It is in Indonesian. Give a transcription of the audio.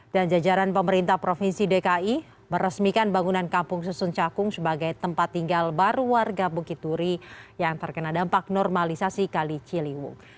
dan jajaran pemerintah provinsi dki meresmikan bangunan kampung susun cakung sebagai tempat tinggal baru warga bukit duri yang terkena dampak normalisasi kali ciliwung